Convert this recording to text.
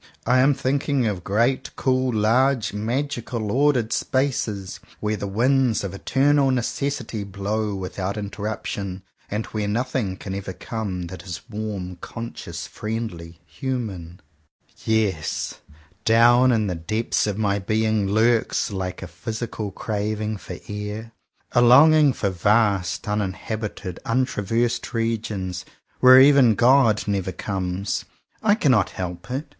I am thinking of great, cool, large, magical, ordered Spaces, where the winds of eternal Necessity blow without interruption, and where nothing can ever come that is warm, conscious, friendly, human. 154 JOHN COWPER POWYS Yes; down in the depths of my being lurks, like a physical craving for air, a longing for vast, uninhabited, untraversed regions, where even God never comes. I cannot help it.